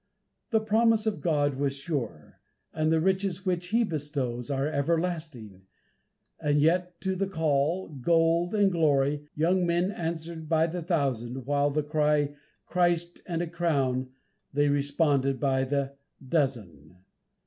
"The promises of God are sure," and the riches which He bestows are everlasting; and yet to the call, gold and glory, young men answer by the thousand, while to the cry, Christ and a crown, they respond by the dozen!